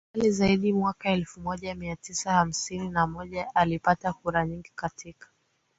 makali zaidi Mwaka elfu moja mia tisa hamsini na moja ilipata kura nyingi katika